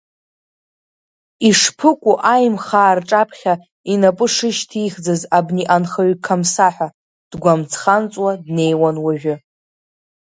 Ишԥыкәу Аимхаа рҿаԥхьа инапы шышьҭихӡаз абни анхаҩы қамса ҳәа, дгәамҵ-хамҵуа днеиуан уажәы.